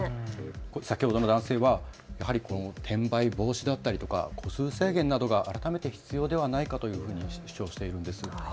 先ほどの男性はやはり転売防止だったりとか戸数制限などが改めて必要ではないかというふうに主張しているんですよね。